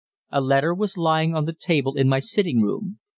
A letter was lying on the table in my sitting room.